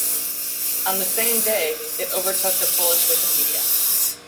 On the same day, it overtook the Polish Wikipedia.